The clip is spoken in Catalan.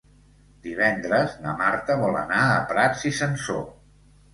Divendres na Marta vol anar a Prats i Sansor.